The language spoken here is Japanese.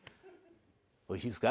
おいしいですか？